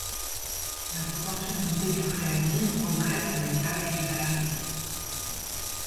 La proportionnalité du préavis progresse avec l'âge du salarié.